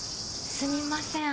すみません